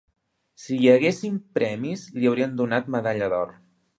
Si hi haguessin premis, li haurien donat medalla d'or